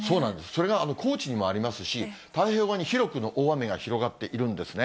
それが高知にもありますし、太平洋側に広く大雨が広がっているんですね。